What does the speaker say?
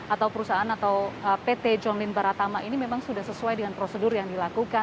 atau perusahaan atau pt john lin baratama ini memang sudah sesuai dengan prosedur yang dilakukan